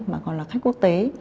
mà còn là khách quốc tế